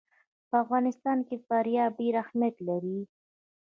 په افغانستان کې فاریاب ډېر اهمیت لري.